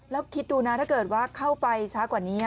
แล้วคิดดูนะถ้าเกิดว่าเข้าไปช้ากว่านี้